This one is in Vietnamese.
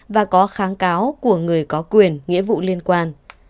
và có kháng cáo của người có quyền nghĩa vụ liên quan